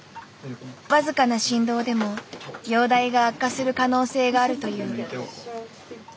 僅かな振動でも容体が悪化する可能性があるという。